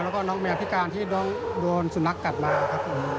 แล้วก็น้องแมวพิการที่น้องโดนสุนัขกัดมาครับผม